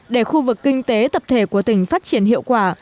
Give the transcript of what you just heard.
để khu vực kinh tế tập thể của tỉnh phát triển hiệu quả